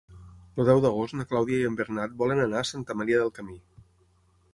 El deu d'agost na Clàudia i en Bernat volen anar a Santa Maria del Camí.